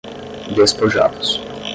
despojados